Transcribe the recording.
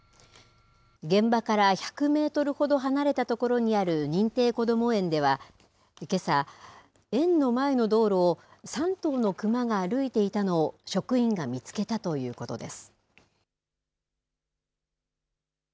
現場から１００メートルほど離れた所にある認定こども園では、けさ、園の前の道路を３頭の熊が歩いていたのを職員が見つけたということです。